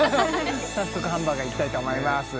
早速ハンバーガー行きたいと思います